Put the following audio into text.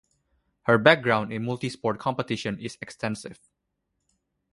Her background in multi-sport competition is extensive.